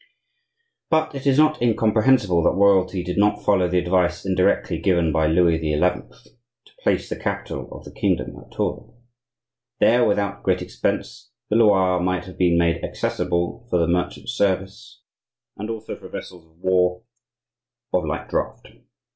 But is it not incomprehensible that Royalty did not follow the advice indirectly given by Louis XI. to place the capital of the kingdom at Tours? There, without great expense, the Loire might have been made accessible for the merchant service, and also for vessels of war of light draught.